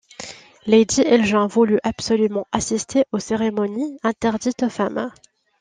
Lady Elgin voulut absolument assister aux cérémonies, interdites aux femmes.